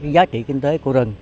giá trị kinh tế của rừng